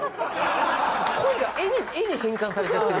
「恋」が「え？」に変換されちゃってるから。